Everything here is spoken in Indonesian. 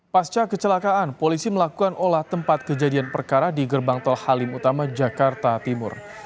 pasca kecelakaan polisi melakukan olah tempat kejadian perkara di gerbang tol halim utama jakarta timur